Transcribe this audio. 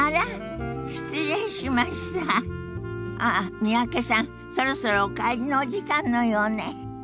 三宅さんそろそろお帰りのお時間のようね。